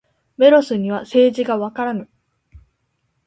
メロスには政治がわからぬ。